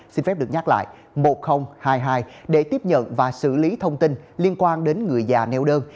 xin phép được nhắc lại một nghìn hai mươi hai để tiếp nhận và xử lý thông tin liên quan đến người già neo đơn